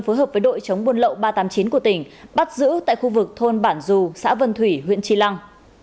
phối hợp với đội chống buôn lậu ba trăm tám mươi chín của tỉnh bắt giữ tại khu vực thôn bản dù xã vân thủy huyện tri lăng